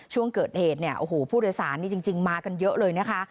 ช่วงเกิดเหตุพุทธศาลจริงมากันเยอะเลยนะคะ